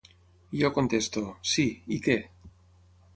I jo contesto: Sí, i què?